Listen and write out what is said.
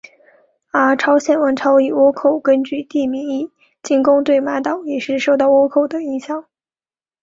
而朝鲜王朝以倭寇根据地名义进攻对马岛也是受到倭寇的影响。